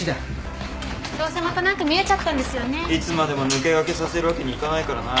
いつまでも抜け駆けさせるわけにいかないからな。